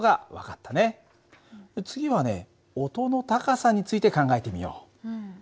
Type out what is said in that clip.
次はね音の高さについて考えてみよう。